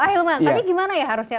ah ilman tapi gimana ya harusnya